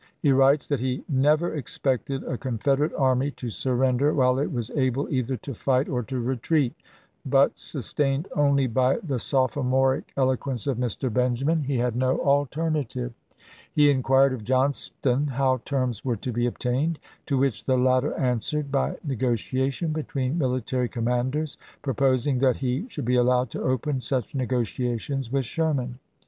He writes that he " never expected a Confederate army to surrender while it was able either to fight or to retreat"; but, sustained only by the sophomoric eloquence of Mr. Benjamin, he had no alternative. He inquired of Johnston how terms were to be obtained ; to which the latter answered, by negotia tion between military commanders, proposing that he should be allowed to open such negotiations with Sherman.